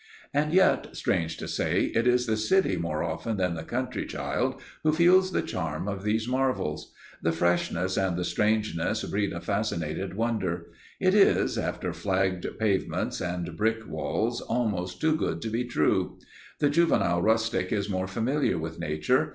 And yet, strange to say, it is the city more often than the country child who feels the charm of these marvels. The freshness and the strangeness breed a fascinated wonder; it is, after flagged pavements and brick walls, almost too good to be true. The juvenile rustic is more familiar with Nature.